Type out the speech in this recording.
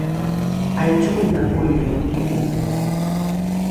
’aico’ona ’oilri toko’ovo!